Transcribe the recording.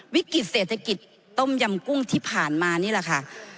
วิกฤตเศรษฐกิจต้มยำกุ้งที่ผ่านมานี่แหละค่ะ